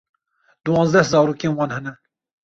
Diwanzdeh zarokên wan hene.